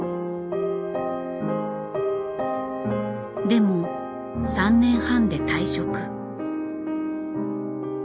でも３年半で退職。